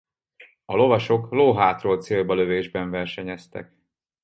A lovasok lóhátról célba lövésben versenyeztek.